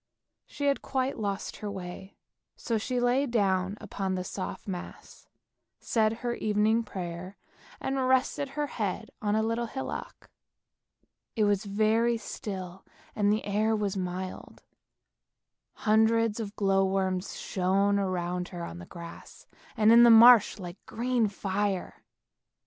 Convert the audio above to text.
She had quite lost her way, so she lay down upon the soft moss, said her evening prayer, and rested her head on a little hillock. It was very still and the air was mild, hundreds of glow worms shone around her on the grass and in the marsh like green fire.